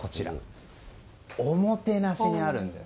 おもてなしにあるんです。